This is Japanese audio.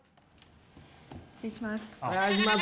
失礼します。